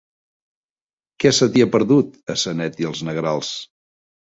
Què se t'hi ha perdut, a Sanet i els Negrals?